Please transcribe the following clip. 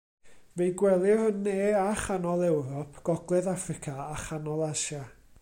Fe'i gwelir yn ne a chanol Ewrop, gogledd Affrica a chanol Asia.